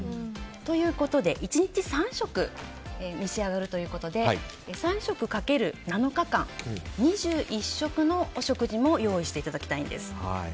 ということで１日３食召し上がるということで３食かける７日間、２１食のお食事も用意していただきたいです。